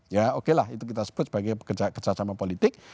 ya oke lah itu kita sebut sebagai kerjasama politik